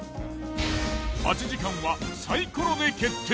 待ち時間はサイコロで決定。